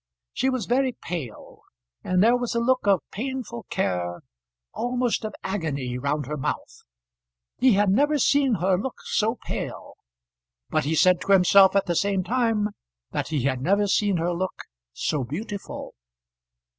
She was very pale, and there was a look of painful care, almost of agony, round her mouth. He had never seen her look so pale, but he said to himself at the same time that he had never seen her look so beautiful.